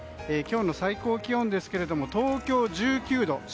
今日の最高気温ですが東京１９度。